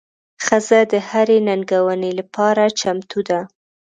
ښځه د هرې ننګونې لپاره چمتو ده.